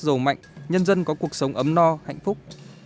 giàu mạnh nhân dân có cuộc sống ấm no hạnh phúc